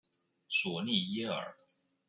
索利耶尔。